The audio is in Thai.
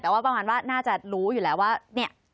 แต่ว่าประมาณว่าน่าจะรู้อยู่แล้วว่าเนี่ย